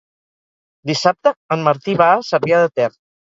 Dissabte en Martí va a Cervià de Ter.